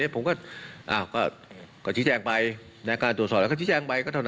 ผมก็อ้าวก็ก็จิแจงไปในการตรวจสอบแล้วก็จิแจงไปก็เท่านั้น